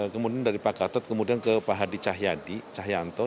kemudian dari pak gatot kemudian ke pak hadi cahyadi cahyanto